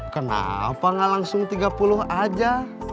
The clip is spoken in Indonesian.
kenapa gak langsung tiga puluh aja